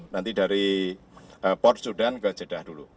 nanti dari port sudan ke jeddah dulu